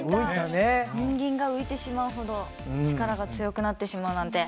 人間が浮いてしまうほど力が強くなってしまうなんて。